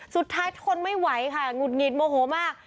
สุดท้ายทนไม่ไหวค่ะงุดหงิดโมโหมาก